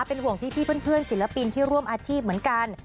เป็นห่วงพี่เพื่อนศิลปินที่ร่วมอาชีพเหมือนกัน